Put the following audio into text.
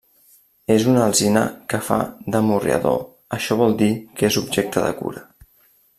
És una alzina que fa d'amorriador, això vol dir que és objecte de cura.